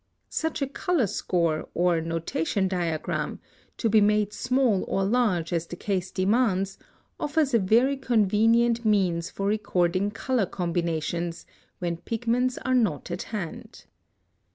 + Such a color score, or notation diagram, to be made small or large as the case demands, offers a very convenient means for recording color combinations, when pigments are not at hand.